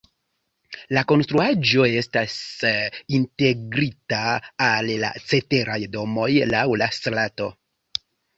La konstruaĵo estas integrita al la ceteraj domoj laŭ la strato.